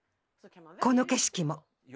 この景色も。